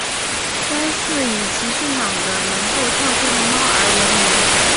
该寺以其训养的能够跳圈的猫而闻名。